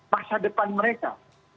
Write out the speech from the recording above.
masa depan mereka